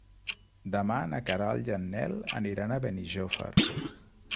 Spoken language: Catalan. Demà na Queralt i en Nel aniran a Benijòfar.